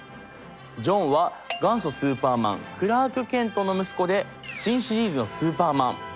ジョンは元祖スーパーマンクラーク・ケントの息子で新シリーズのスーパーマン。